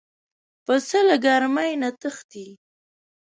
پسه له ګرمۍ نه تښتي.